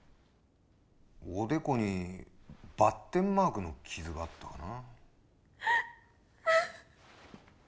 おでこに罰点マークの傷があったかな？